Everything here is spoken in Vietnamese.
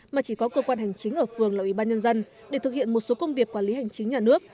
mà chỉ có cơ quan hành chính ở phường là ủy ban nhân dân để thực hiện một số công việc quản lý hành chính nhà nước